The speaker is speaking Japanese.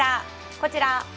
こちら。